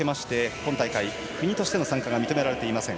今大会、国としての参加が認められていません。